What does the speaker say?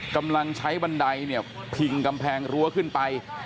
กำลังใช้บันไดเนี่ยพิงกำแพงรั้วขึ้นไป